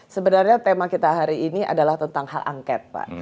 sebenarnya tema kita hari ini adalah tentang hak angket pak